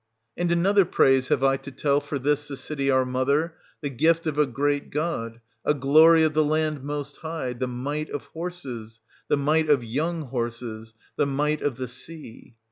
And another praise have I to tell for this the city ant. 2. our mother, the gift of a great god, a glory of the land 710 most high ; the might of horses, the might of young horses, the might of the sea.